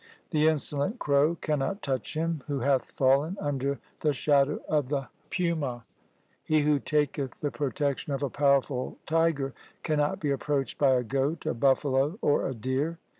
The insolent crow cannot touch him who hath fallen under the shadow of the huma. He who taketh the protection of a powerful tiger cannot be approached by a goat, a buffalo, or a deer.